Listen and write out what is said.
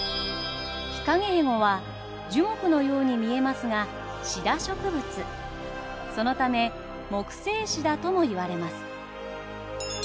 ヒカゲヘゴは樹木のように見えますがシダ植物そのため木生シダともいわれます。